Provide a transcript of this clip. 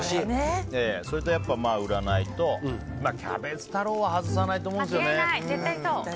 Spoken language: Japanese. それとやっぱ、うらないとキャベツ太郎は外さないと思うんですよね。